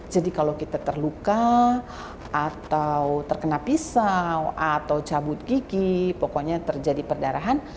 jadi kalau kita terluka atau terkena pisau atau cabut gigi pokoknya terjadi perdarahan